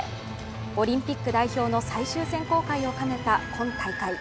オリンピック代表の最終選考会を兼ねた今大会。